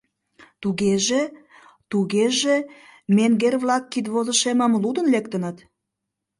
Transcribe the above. — Тугеже... тугеже менгер-влак кидвозышемым лудын лектыныт?